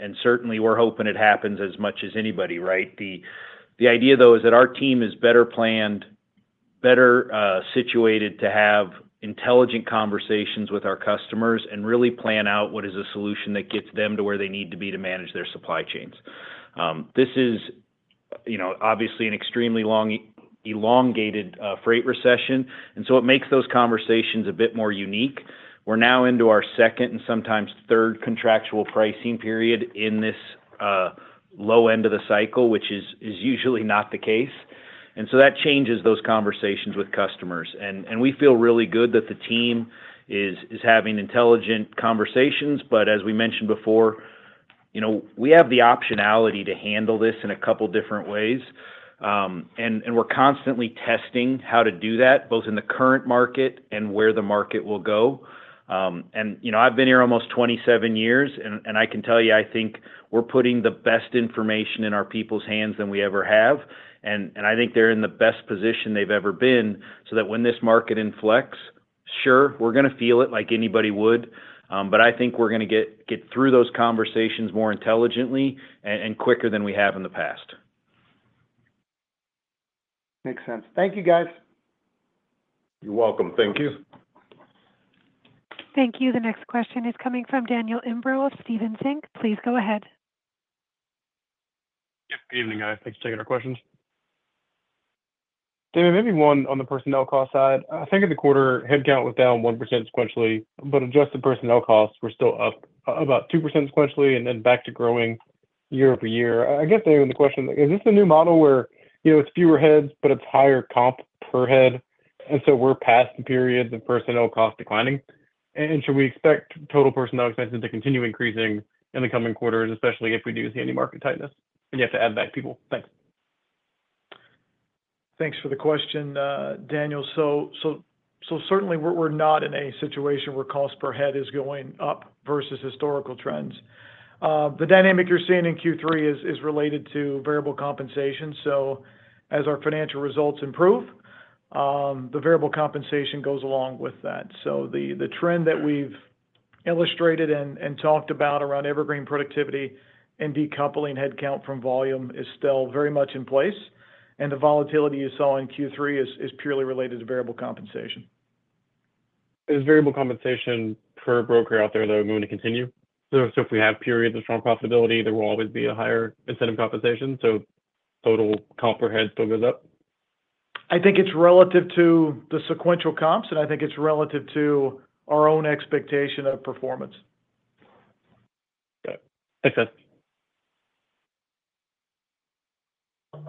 Speaker 4: and certainly we're hoping it happens as much as anybody, right? The idea, though, is that our team is better planned, better situated to have intelligent conversations with our customers and really plan out what is a solution that gets them to where they need to be to manage their supply chains. This is obviously an extremely long, elongated freight recession. And so it makes those conversations a bit more unique. We're now into our second and sometimes third contractual pricing period in this low end of the cycle, which is usually not the case. And so that changes those conversations with customers. And we feel really good that the team is having intelligent conversations. But as we mentioned before, we have the optionality to handle this in a couple of different ways. And we're constantly testing how to do that, both in the current market and where the market will go. And I've been here almost 27 years. And I can tell you, I think we're putting the best information in our people's hands that we ever have. And I think they're in the best position they've ever been so that when this market inflects, sure, we're going to feel it like anybody would. But I think we're going to get through those conversations more intelligently and quicker than we have in the past.
Speaker 12: Makes sense. Thank you, guys.
Speaker 3: You're welcome. Thank you.
Speaker 1: Thank you. The next question is coming from Daniel Imbro of Stephens Inc. Please go ahead.
Speaker 13: Yep. Good evening, guys. Thanks for taking our questions. Damon, maybe one on the personnel cost side. I think in the quarter, headcount was down one% sequentially. But adjusted personnel costs were still up about two% sequentially and then back to growing year over year. I guess, Damon, the question is, is this the new model where it's fewer heads, but it's higher comp per head? And so we're past the period of personnel cost declining. And should we expect total personnel expenses to continue increasing in the coming quarters, especially if we do see any market tightness and you have to add back people? Thanks.
Speaker 6: Thanks for the question, Daniel, so certainly, we're not in a situation where cost per head is going up versus historical trends. The dynamic you're seeing in Q3 is related to variable compensation, so as our financial results improve, the variable compensation goes along with that, so the trend that we've illustrated and talked about around evergreen productivity and decoupling headcount from volume is still very much in place, and the volatility you saw in Q3 is purely related to variable compensation.
Speaker 13: Is variable compensation per broker out there, though, going to continue? So if we have periods of strong profitability, there will always be a higher incentive compensation? So total comp per head still goes up?
Speaker 6: I think it's relative to the sequential comps, and I think it's relative to our own expectation of performance.
Speaker 13: Okay. Makes sense.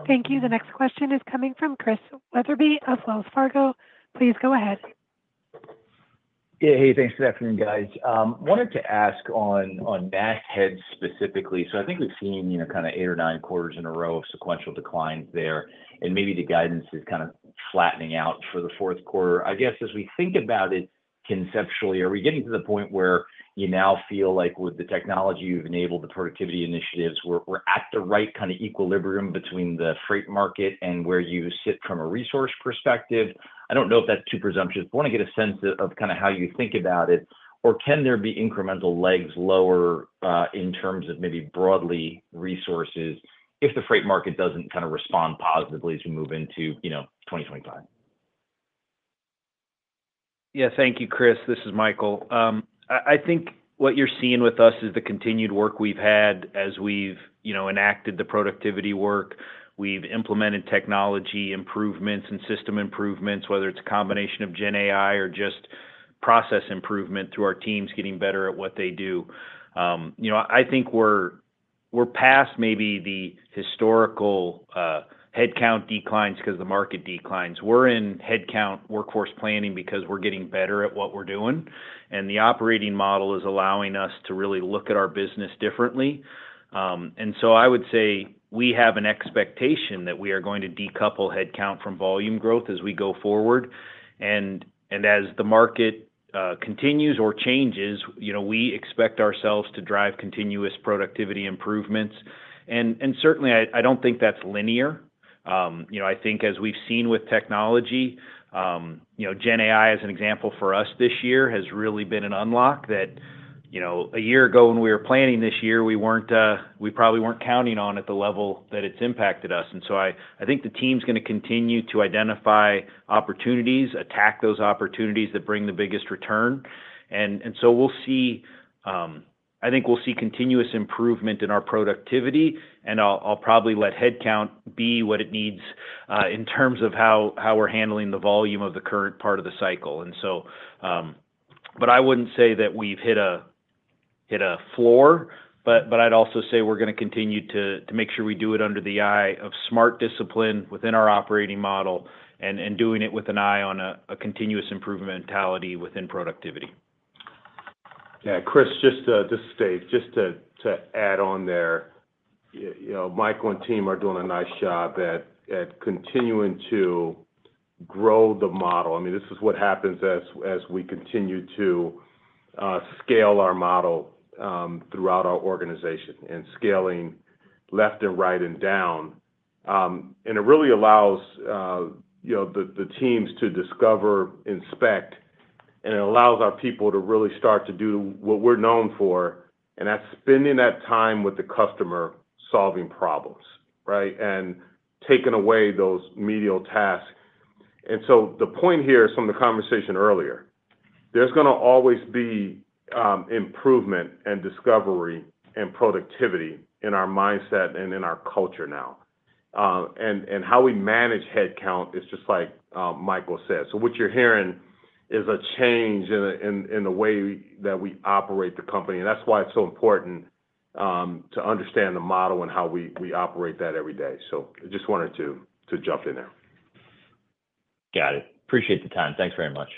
Speaker 1: Thank you. The next question is coming from Chris Wetherbee of Wells Fargo. Please go ahead.
Speaker 14: Yeah. Hey, thanks. Good afternoon, guys. Wanted to ask on NAST headcount specifically. So I think we've seen kind of eight or nine quarters in a row of sequential declines there, and maybe the guidance is kind of flattening out for the fourth quarter. I guess as we think about it conceptually, are we getting to the point where you now feel like with the technology you've enabled, the productivity initiatives, we're at the right kind of equilibrium between the freight market and where you sit from a resource perspective? I don't know if that's too presumptuous, but I want to get a sense of kind of how you think about it. Or can there be incremental legs lower in terms of maybe broadly resources if the freight market doesn't kind of respond positively as we move into 2025?
Speaker 4: Yeah. Thank you, Chris. This is Michael. I think what you're seeing with us is the continued work we've had as we've enacted the productivity work. We've implemented technology improvements and system improvements, whether it's a combination of GenAI or just process improvement through our teams getting better at what they do. I think we're past maybe the historical headcount declines because the market declines. We're in headcount workforce planning because we're getting better at what we're doing. And the operating model is allowing us to really look at our business differently. And so I would say we have an expectation that we are going to decouple headcount from volume growth as we go forward. And as the market continues or changes, we expect ourselves to drive continuous productivity improvements. And certainly, I don't think that's linear. I think as we've seen with technology, GenAI, as an example for us this year, has really been an unlock that a year ago when we were planning this year, we probably weren't counting on at the level that it's impacted us. And so I think the team's going to continue to identify opportunities, attack those opportunities that bring the biggest return. And so we'll see I think we'll see continuous improvement in our productivity. And I'll probably let headcount be what it needs in terms of how we're handling the volume of the current part of the cycle. And so but I wouldn't say that we've hit a floor. But I'd also say we're going to continue to make sure we do it under the eye of smart discipline within our operating model and doing it with an eye on a continuous improvement mentality within productivity.
Speaker 3: Yeah. Chris, just to say, just to add on there, Michael and team are doing a nice job at continuing to grow the model. I mean, this is what happens as we continue to scale our model throughout our organization and scaling left and right and down. And it really allows the teams to discover, inspect, and it allows our people to really start to do what we're known for, and that's spending that time with the customer solving problems, right, and taking away those menial tasks. And so the point here is from the conversation earlier, there's going to always be improvement and discovery and productivity in our mindset and in our culture now. And how we manage headcount is just like Michael said. So what you're hearing is a change in the way that we operate the company. That's why it's so important to understand the model and how we operate that every day. I just wanted to jump in there.
Speaker 14: Got it. Appreciate the time. Thanks very much.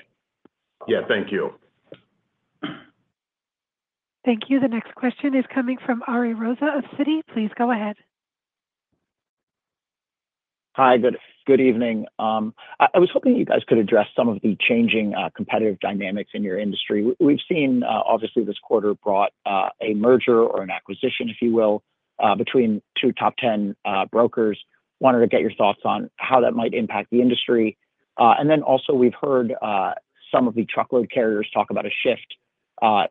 Speaker 3: Yeah. Thank you.
Speaker 1: Thank you. The next question is coming from Ari Rosa of Citi. Please go ahead.
Speaker 15: Hi. Good evening. I was hoping you guys could address some of the changing competitive dynamics in your industry. We've seen, obviously, this quarter brought a merger or an acquisition, if you will, between two top 10 brokers. Wanted to get your thoughts on how that might impact the industry. And then also, we've heard some of the truckload carriers talk about a shift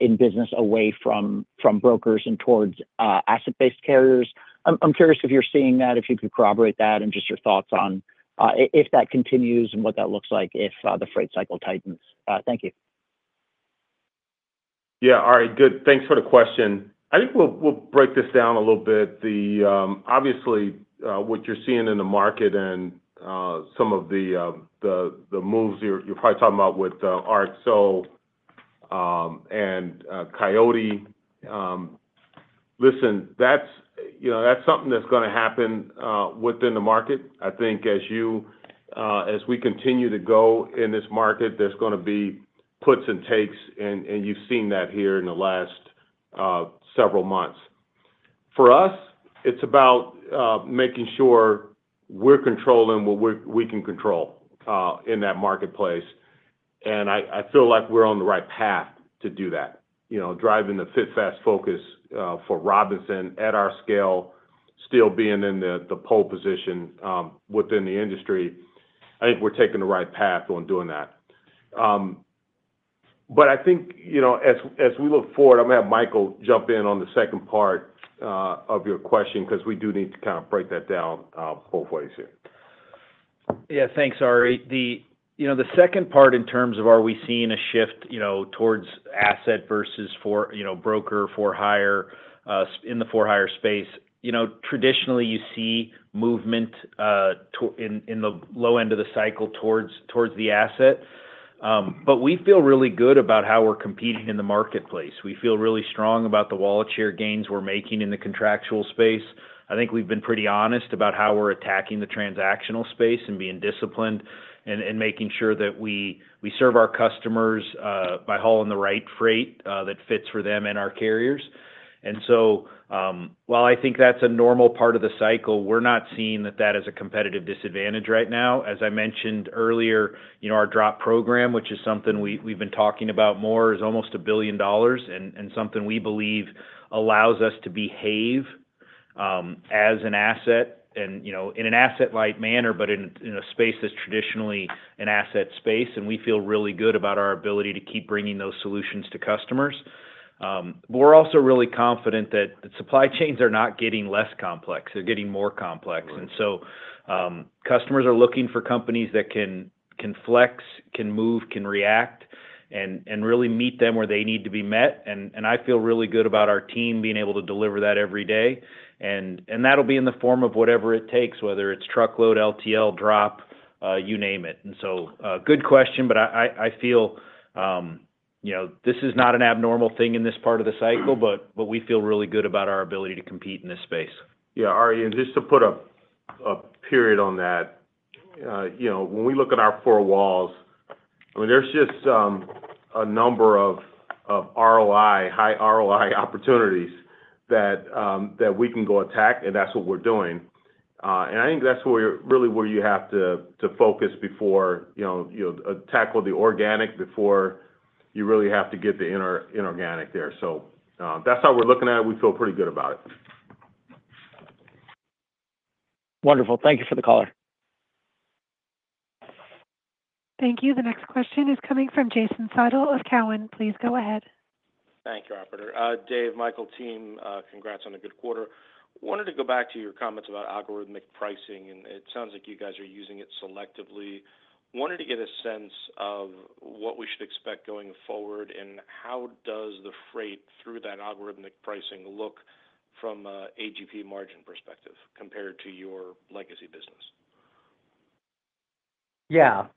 Speaker 15: in business away from brokers and towards asset-based carriers. I'm curious if you're seeing that, if you could corroborate that and just your thoughts on if that continues and what that looks like if the freight cycle tightens. Thank you.
Speaker 3: Yeah. All right. Good. Thanks for the question. I think we'll break this down a little bit. Obviously, what you're seeing in the market and some of the moves you're probably talking about with RXO and Coyote. Listen, that's something that's going to happen within the market. I think as we continue to go in this market, there's going to be puts and takes. And you've seen that here in the last several months. For us, it's about making sure we're controlling what we can control in that marketplace. And I feel like we're on the right path to do that, Fit, Fast, and Focused for Robinson at our scale, still being in the pole position within the industry. I think we're taking the right path on doing that. But I think as we look forward, I'm going to have Michael jump in on the second part of your question because we do need to kind of break that down both ways here.
Speaker 4: Yeah. Thanks, Ari. The second part in terms of are we seeing a shift towards asset versus broker for hire in the for hire space. Traditionally, you see movement in the low end of the cycle towards the asset. But we feel really good about how we're competing in the marketplace. We feel really strong about the wallet share gains we're making in the contractual space. I think we've been pretty honest about how we're attacking the transactional space and being disciplined and making sure that we serve our customers by hauling the right freight that fits for them and our carriers. And so while I think that's a normal part of the cycle, we're not seeing that that is a competitive disadvantage right now. As I mentioned earlier, our drop program, which is something we've been talking about more, is almost $1 billion and something we believe allows us to behave as an asset in an asset-like manner, but in a space that's traditionally an asset space, and we feel really good about our ability to keep bringing those solutions to customers, but we're also really confident that the supply chains are not getting less complex. They're getting more complex, and so customers are looking for companies that can flex, can move, can react, and really meet them where they need to be met, and I feel really good about our team being able to deliver that every day, and that'll be in the form of whatever it takes, whether it's truckload, LTL, drop, you name it, and so good question. But I feel this is not an abnormal thing in this part of the cycle, but we feel really good about our ability to compete in this space.
Speaker 3: Yeah. Ari, and just to put a period on that, when we look at our four walls, I mean, there's just a number of high ROI opportunities that we can go attack, and that's what we're doing. And I think that's really where you have to focus before tackling the organic before you really have to get the inorganic there. So that's how we're looking at it. We feel pretty good about it.
Speaker 15: Wonderful. Thank you for the caller.
Speaker 1: Thank you. The next question is coming from Jason Seidel of TD Cowen. Please go ahead.
Speaker 16: Thank you, operator. Dave, Michael team, congrats on a good quarter. Wanted to go back to your comments about algorithmic pricing, and it sounds like you guys are using it selectively. Wanted to get a sense of what we should expect going forward and how does the freight through that algorithmic pricing look from an AGP margin perspective compared to your legacy business?
Speaker 6: Yeah.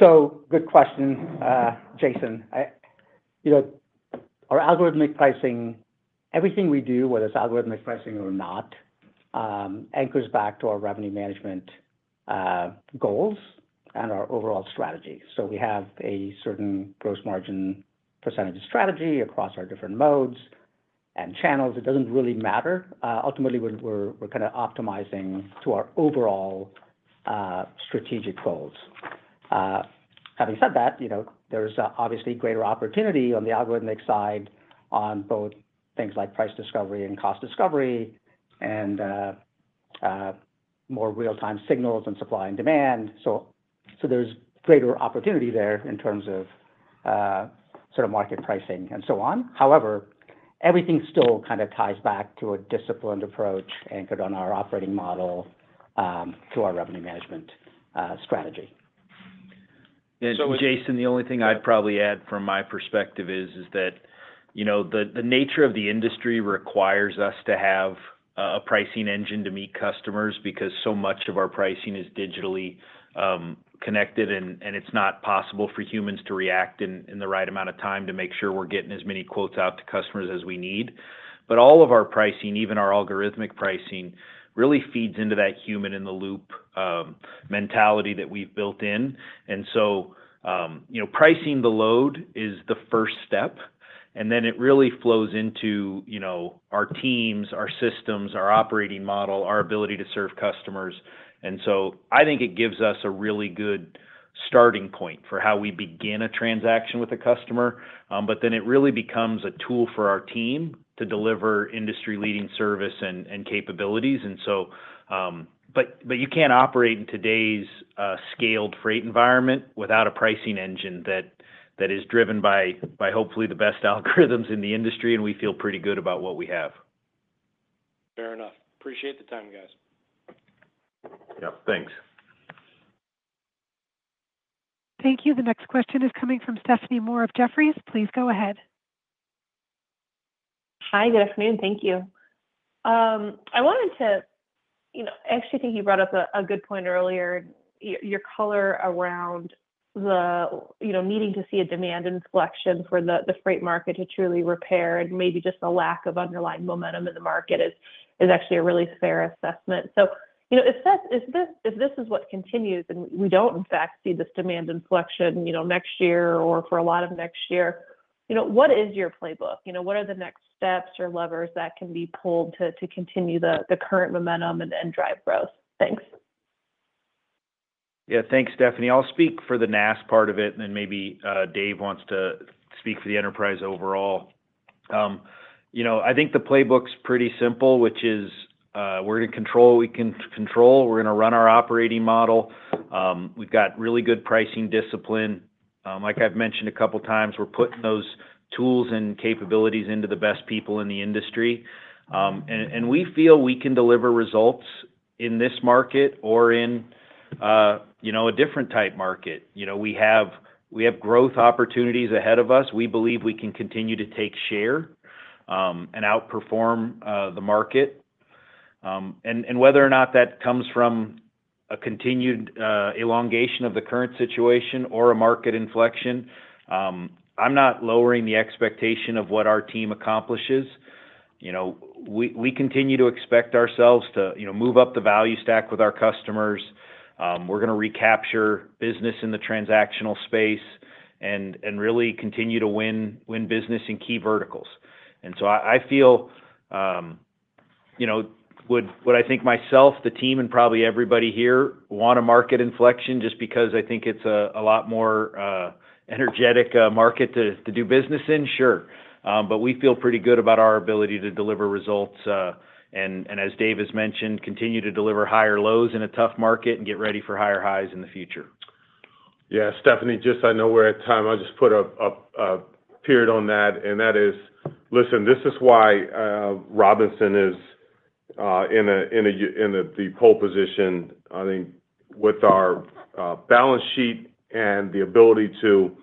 Speaker 6: So good question, Jason. Our algorithmic pricing, everything we do, whether it's algorithmic pricing or not, anchors back to our revenue management goals and our overall strategy. So we have a certain gross margin percentage strategy across our different modes and channels. It doesn't really matter. Ultimately, we're kind of optimizing to our overall strategic goals. Having said that, there's obviously greater opportunity on the algorithmic side on both things like price discovery and cost discovery and more real-time signals and supply and demand. So there's greater opportunity there in terms of sort of market pricing and so on. However, everything still kind of ties back to a disciplined approach anchored on our operating model to our revenue management strategy.
Speaker 3: Yeah. Jason, the only thing I'd probably add from my perspective is that the nature of the industry requires us to have a pricing engine to meet customers because so much of our pricing is digitally connected, and it's not possible for humans to react in the right amount of time to make sure we're getting as many quotes out to customers as we need. But all of our pricing, even our algorithmic pricing, really feeds into that human-in-the-loop mentality that we've built in. And so pricing the load is the first step. And then it really flows into our teams, our systems, our operating model, our ability to serve customers. And so I think it gives us a really good starting point for how we begin a transaction with a customer. But then it really becomes a tool for our team to deliver industry-leading service and capabilities. And so but you can't operate in today's scaled freight environment without a pricing engine that is driven by hopefully the best algorithms in the industry. And we feel pretty good about what we have.
Speaker 16: Fair enough. Appreciate the time, guys.
Speaker 3: Yep. Thanks.
Speaker 1: Thank you. The next question is coming from Stephanie Moore of Jefferies. Please go ahead.
Speaker 17: Hi. Good afternoon. Thank you. I wanted to actually thank you brought up a good point earlier. Your color around the need to see a demand inflection for the freight market to truly repair and maybe just the lack of underlying momentum in the market is actually a really fair assessment. So if this is what continues and we don't, in fact, see this demand inflection next year or for a lot of next year, what is your playbook? What are the next steps or levers that can be pulled to continue the current momentum and drive growth? Thanks.
Speaker 4: Yeah. Thanks, Stephanie. I'll speak for the NAST part of it, and then maybe Dave wants to speak for the enterprise overall. I think the playbook's pretty simple, which is we're going to control what we can control. We're going to run our operating model. We've got really good pricing discipline. Like I've mentioned a couple of times, we're putting those tools and capabilities into the best people in the industry. And we feel we can deliver results in this market or in a different type market. We have growth opportunities ahead of us. We believe we can continue to take share and outperform the market. And whether or not that comes from a continued elongation of the current situation or a market inflection, I'm not lowering the expectation of what our team accomplishes. We continue to expect ourselves to move up the value stack with our customers. We're going to recapture business in the transactional space and really continue to win business in key verticals, and so I feel would I think myself, the team, and probably everybody here want a market inflection just because I think it's a lot more energetic market to do business in? Sure, but we feel pretty good about our ability to deliver results and, as Dave has mentioned, continue to deliver higher lows in a tough market and get ready for higher highs in the future.
Speaker 3: Yeah. Stephanie, just, I know we're at time. I'll just put a period on that. And that is, listen, this is why Robinson is in the pole position. I think with our balance sheet and the ability to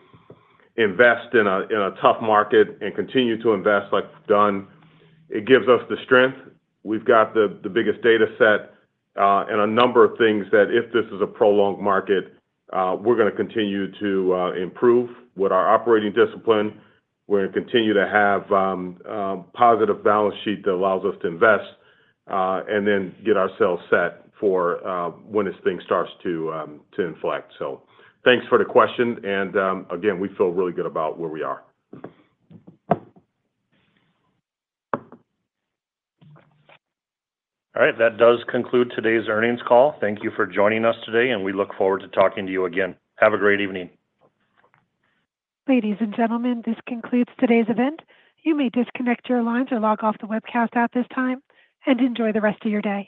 Speaker 3: invest in a tough market and continue to invest like we've done, it gives us the strength. We've got the biggest data set and a number of things that if this is a prolonged market, we're going to continue to improve with our operating discipline. We're going to continue to have a positive balance sheet that allows us to invest and then get ourselves set for when this thing starts to inflect. So thanks for the question. And again, we feel really good about where we are. All right. That does conclude today's earnings call. Thank you for joining us today, and we look forward to talking to you again. Have a great evening.
Speaker 1: Ladies and gentlemen, this concludes today's event. You may disconnect your lines or log off the webcast at this time and enjoy the rest of your day.